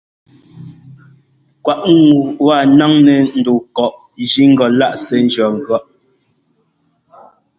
Kwaꞌ ŋu wa ńnáŋnɛ́ ndu kɔꞌ jí ŋgɔ láꞌ sɛ́ ńjʉɔ́ŋgʉ̈ɔ́ꞌ.